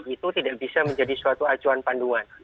itu tidak bisa menjadi suatu acuan panduan